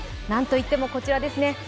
なんといってもこちらですね。